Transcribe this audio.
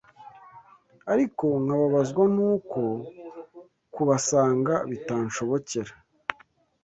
ariko nkababazwa n’uko kubasanga bitanshobokera